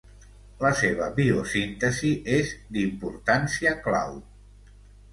La seva biosíntesi és d'importància clau.